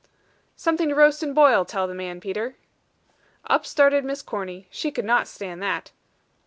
"Something to roast and boil, tell the man, Peter." Up started Miss Corny; she could not stand that.